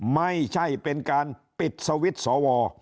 ไม่ใช่เป็นการปิดสวิตช์สว